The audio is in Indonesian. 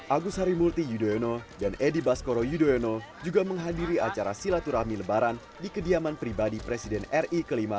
agus harimurti yudhoyono dan edi baskoro yudhoyono juga menghadiri acara silaturahmi lebaran di kediaman pribadi presiden ri ke lima